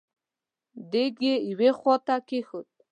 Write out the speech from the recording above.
دېګ يې يوې خواته کېښود.